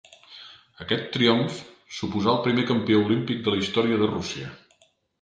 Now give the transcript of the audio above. Aquest triomf suposà el primer campió olímpic de la història de Rússia.